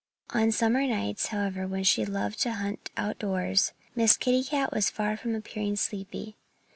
On summer nights, however, when she loved to hunt out of doors, Miss Kitty Cat was far from appearing sleepy.